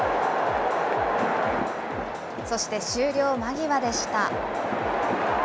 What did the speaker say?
そして終了間際でした。